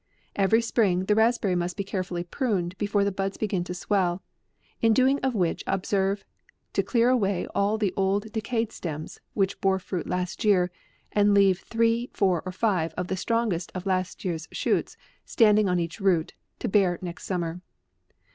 " Every spring, the raspberry must be carefully pruned, before the buds begin to swell ; in doing of which observe to clear away all the old decayed stems, which bore fruit last year, and to leave three, four or five of the strongest of last year's shoots stan ding on each root, to bear next summer.